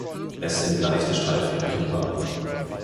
Es sind leichte Streifen erkennbar.